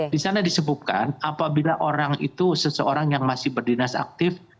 di sana disebutkan apabila orang itu seseorang yang masih berdinas aktif